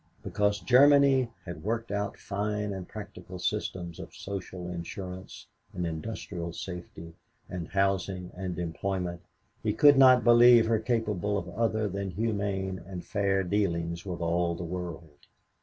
Because Germany had worked out fine and practical systems of social insurance and industrial safety, and housing and employment, he could not believe her capable of other than humane and fair dealing with all the world.